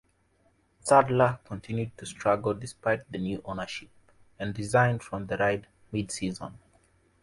Sadler continued to struggle despite the new ownership, and resigned from the ride midseason.